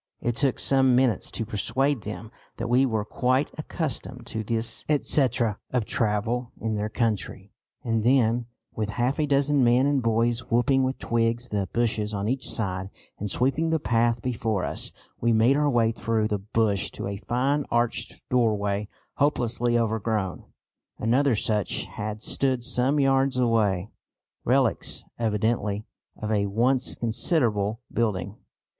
It took some minutes to persuade them that we were quite accustomed to this etcetera of travel in their country, and then, with half a dozen men and boys whipping with twigs the bushes on each side, and sweeping the path before us, we made our way through the bush to a fine arched doorway hopelessly overgrown. Another such had stood some yards away, relics evidently of a once considerable building.